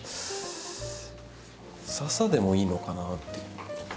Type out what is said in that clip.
ササでもいいのかなっていう。